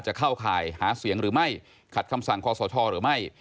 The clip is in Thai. เข้าข่ายหาเสียงหรือไม่ขัดคำสั่งคอสชหรือไม่